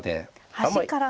端から。